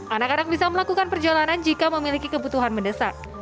anak anak bisa melakukan perjalanan jika memiliki kebutuhan mendesak